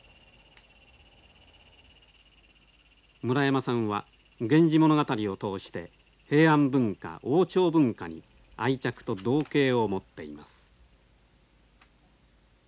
村山さんは「源氏物語」を通して平安文化王朝文化に愛着と憧憬を持っています。